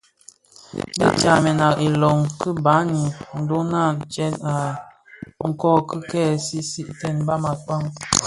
Dhi tsamèn a ilom ki baňi dhona tyèn a tsok ki kè sigsigten mbam akpaň.